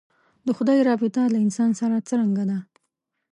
د خدای رابطه له انسان سره څرنګه ده.